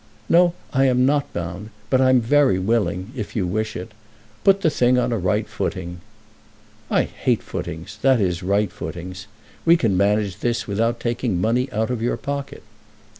"No; I am not bound. But I'm very willing, if you wish it. Put the thing on a right footing." "I hate footings, that is, right footings. We can manage this without taking money out of your pocket."